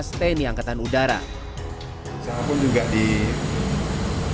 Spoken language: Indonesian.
steny angkatan udara juga di di di jagain sama rekan rekan dari tni jadi pasca pun juga ikut